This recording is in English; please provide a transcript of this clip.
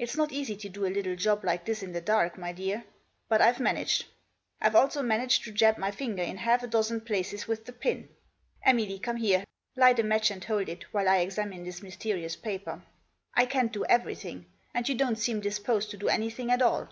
It's not easy to do a little job like this in the dark, my dear; but I've managed. I've also managed to jab my finger in half a dozen places with the pin. Emily, come here ; light a match and hold it while I examine this mysterious paper. I can't do every Digitized by 136 THE JOSS. thing ; and you don't seem disposed to do anything at all."